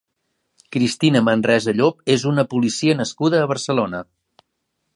Cristina Manresa Llop és una policia nascuda a Barcelona.